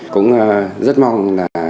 cũng rất mong